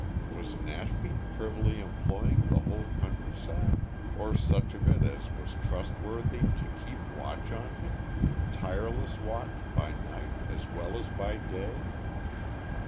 Was Nashby privily employing the whole countryside or such of it as was trustworthy to keep watch on him tireless watch by night as well as by day?